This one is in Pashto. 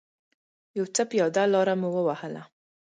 یو څه پیاده لاره مو و وهله.